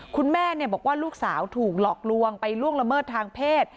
คุณแม่บอกว่าลูกสาวถูกหลอกลวงไปล่วงละเมิดทางเพศ